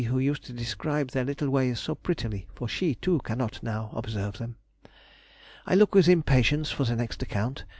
who used to describe their little ways so prettily, for she, too, cannot now observe them. I look with impatience for the next account